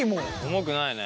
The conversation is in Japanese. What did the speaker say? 重くないね。